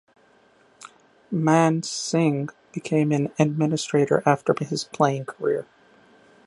Man Singh became an administrator after his playing career.